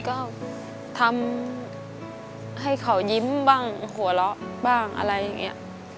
ก็ทำให้เขายิ้มบ้างหัวเราะบ้างอะไรอย่างนี้